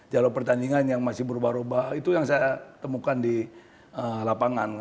jalur pertandingan yang masih berubah ubah itu yang saya temukan di lapangan